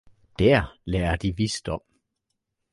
der lærer de visdom.